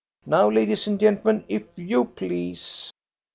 Now, ladies and gentlemen, if you please!"